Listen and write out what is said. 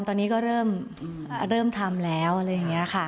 ตอนนี้ก็เริ่มทำแล้วอะไรอย่างนี้ค่ะ